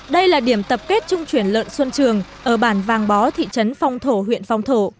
đây là điểm tập kết trung chuyển lợn xuân trường ở bản vàng bó thị trấn phong thổ huyện phong thổ